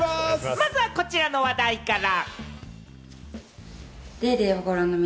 まずはこちらの話題から。